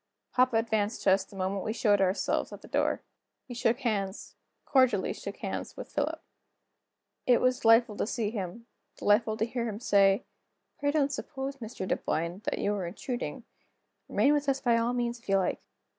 Papa advanced to us the moment we showed ourselves at the door. He shook hands cordially shook hands with Philip. It was delightful to see him, delightful to hear him say: "Pray don't suppose, Mr. Dunboyne, that you are intruding; remain with us by all means if you like."